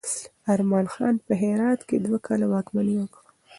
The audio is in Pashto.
زمان خان په هرات کې دوه کاله واکمني وکړه.